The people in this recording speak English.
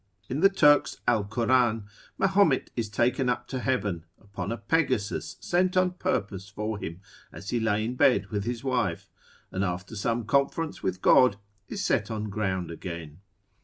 In the Turks' Alcoran, Mahomet is taken up to heaven, upon a Pegasus sent on purpose for him, as he lay in bed with his wife, and after some conference with God is set on ground again.